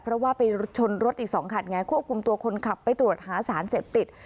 เพราะว่าไปชนรถอีก๒คันไงควบคุมตัวคนขับไปตรวจหาสารเสพติด